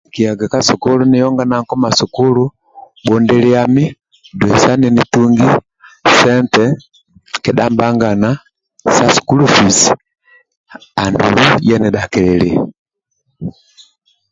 Nkiyaga ka sukulu nionga na nkuma sukulu bhundilyami doisa ninitungi sente kedha mbangana sa sukulu fizi andulu niya nidhakililia